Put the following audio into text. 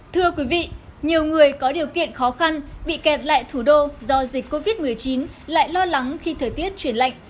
thưa quý vị nhiều người có điều kiện khó khăn bị kẹt lại thủ đô do dịch covid một mươi chín lại lo lắng khi thời tiết chuyển lạnh